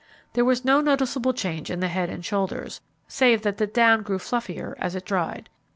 There was no noticeable change in the head and shoulders, save that the down grew fluffier as it dried.